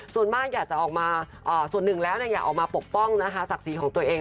ส่วนมากอยากจะออกมาส่วนหนึ่งแล้วอยากออกมาปกป้องนะคะศักดิ์ศรีของตัวเอง